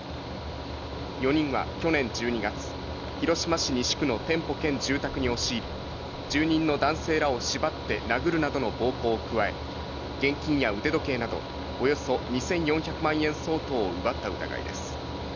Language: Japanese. ４人は去年１２月、広島市西区の店舗兼住宅に押し入り、住人の男性らを縛って殴るなどの暴行を加え、現金や腕時計などおよそ２４００万円相当を奪った疑いです。